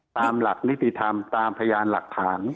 ตามหลักนิติธรรมตามพยานหลักฐาน